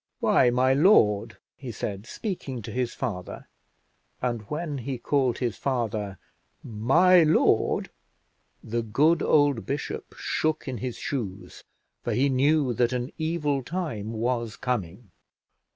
"Why, my lord," he said, speaking to his father; and when he called his father "my lord," the good old bishop shook in his shoes, for he knew that an evil time was coming.